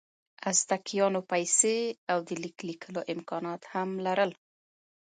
ازتکیانو پیسې او د لیک لیکلو امکانات هم لرل.